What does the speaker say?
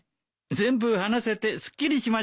全部話せてすっきりしました。